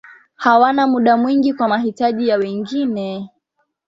Hawana muda mwingi kwa mahitaji ya wengine.